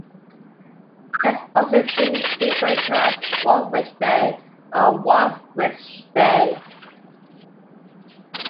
It has also been referred to as Walwich Bay or Walwisch Bay.